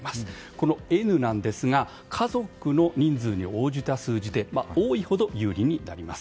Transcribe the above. このＮなんですが家族の人数に応じた数字で多いほど有利になります。